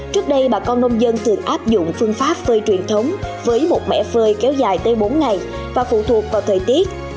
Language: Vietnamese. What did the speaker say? trước đây bà con nông dân thường áp dụng phương pháp phơi truyền thống với một mẻ phơi kéo dài tới bốn ngày và phụ thuộc vào thời tiết